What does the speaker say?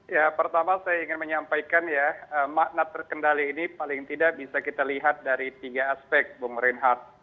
ya pertama saya ingin menyampaikan ya makna terkendali ini paling tidak bisa kita lihat dari tiga aspek bung reinhardt